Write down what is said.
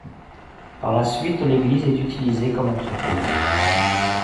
Par la suite, l'église est utilisée comme entrepôt.